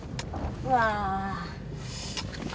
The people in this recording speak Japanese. うわ。